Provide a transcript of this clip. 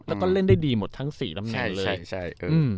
แล้วก็เล่นได้ดีหมดทั้ง๔ลำนานเลย